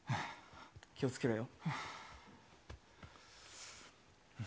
気をつけろよ。